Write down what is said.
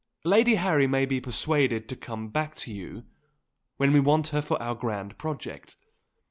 "Lady Harry may be persuaded to come back to you, when we want her for our grand project.